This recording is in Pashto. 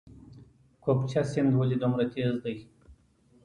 کوکچه سیند ولې دومره تیز دی؟